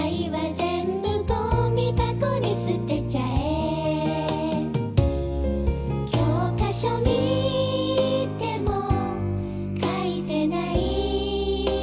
「ぜーんぶゴミ箱にすてちゃえ」「教科書みても書いてないけど」